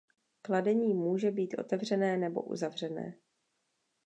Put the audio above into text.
Kladení může být otevřené nebo uzavřené.